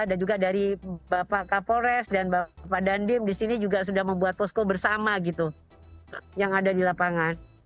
dan juga dari bapak kapolres dan bapak dandim di sini juga sudah membuat posko bersama gitu yang ada di lapangan